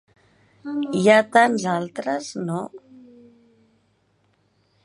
Hi ha tants altres ‘no’!